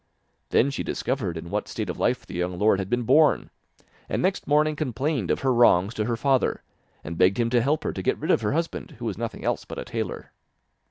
Then she discovered in what state of life the young lord had been born, and next morning complained of her wrongs to her father, and begged him to help her to get rid of her husband, who was nothing else but a tailor.